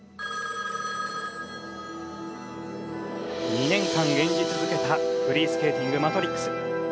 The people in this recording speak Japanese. ２年間演じ続けたフリースケーティング『マトリックス』。